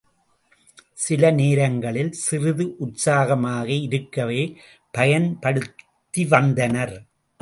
சில நேரங்களில் சிறிது உற்சாகமாக இருக்கவே பயன்படுத்திவந்தனர்.